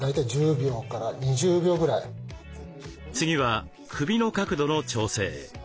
次は首の角度の調整。